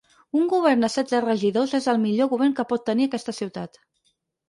Un govern de setze regidors és el millor govern que pot tenir aquesta ciutat.